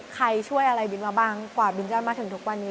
ใครช่วยอะไรบินมาบ้างกว่าบินจะมาถึงทุกวันนี้